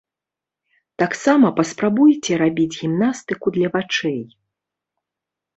Таксама паспрабуйце рабіць гімнастыку для вачэй.